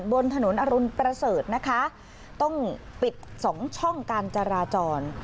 บนถนนอรุณประเสริฐนะคะต้องปิดสองช่องการจราจร